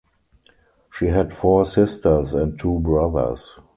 She had four sisters and two brothers.